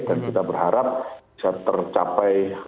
dan kita berharap bisa tercapai